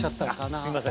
すいません